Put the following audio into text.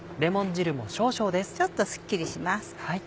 ちょっとすっきりします。